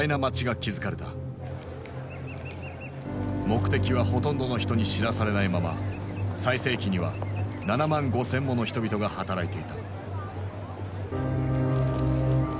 目的はほとんどの人に知らされないまま最盛期には７万５，０００もの人々が働いていた。